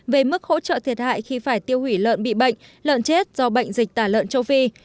về mức hỗ trợ thiệt hại khi phải tiêu hủy lợn bị bệnh lợn chết do bệnh dịch tả lợn châu phi